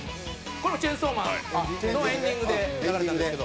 これも『チェンソーマン』のエンディングで流れたんですけど。